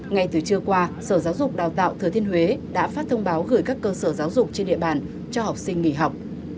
ngay từ trưa qua sở giáo dục đào tạo thừa thiên huế đã phát thông báo gửi các cơ sở giáo dục trên địa bàn cho học sinh nghỉ học